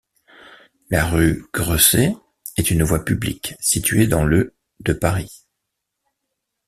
La rue Gresset est une voie publique située dans le de Paris.